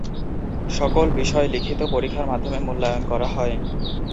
সকল বিষয় লিখিত পরীক্ষার মাধ্যমে মূল্যায়ন করা হয়।